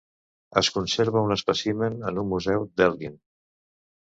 Es conserva un espècimen en un museu d'Elgin.